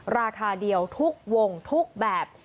ราคาเดียวทุกวงทุกแบบ